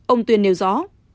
ông tuyên nêu rõ